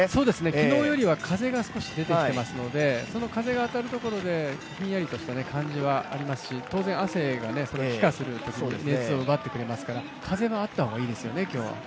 昨日よりは風が少し出てきていますのでその風が当たるところでひんやりとした感じはありますし当然、汗が気化するときに熱を奪ってくれますから、風があっていいですよね、今日は。